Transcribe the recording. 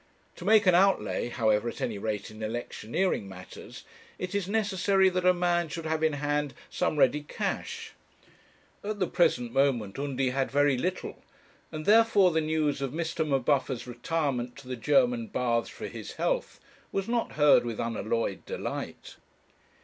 To make an outlay, however, at any rate, in electioneering matters, it is necessary that a man should have in hand some ready cash; at the present moment Undy had very little, and therefore the news of Mr. M'Buffer's retirement to the German baths for his health was not heard with unalloyed delight.